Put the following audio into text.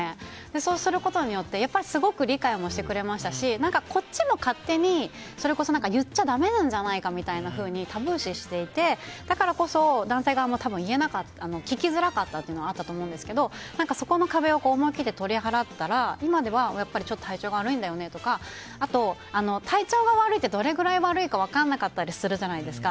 そうすることによってすごく理解もしてくれましたしこっちも勝手に言っちゃだめなんじゃないかというふうにタブー視していてだからこそ男性側も聞きづらかったというのがあったと思うんですけどそこの壁を思い切って取り払ったら今ではやっぱり体調が悪いんだよねとか体調が悪いってどれくらい悪いか分からなかったりするじゃないですか。